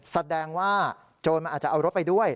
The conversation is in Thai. แสดงว่าโจรมันอาจจะเอารถไปด้วย